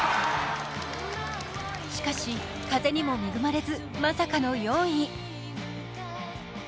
しかし、風にも恵まれずまさかの４位。